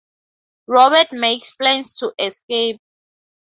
Robert makes plans to escape.